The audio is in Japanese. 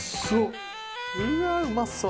うわーうまそう！